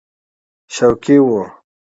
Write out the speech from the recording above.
شوقي وو.